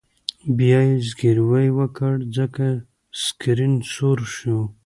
بیا یې زګیروی وکړ ځکه سکرین سور شو